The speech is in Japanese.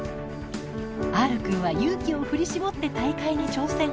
Ｒくんは勇気を振り絞って大会に挑戦。